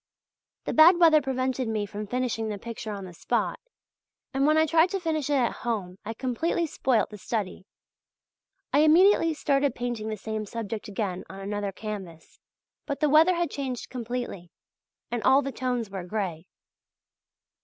The bad weather prevented me from finishing the picture on the spot, and when I tried to finish it at home I completely spoilt the study. I immediately started painting the same subject again on another canvas; but the weather had changed completely, and all the tones were grey.